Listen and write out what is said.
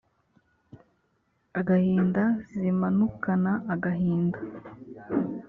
agahinda : zimanukana agahinda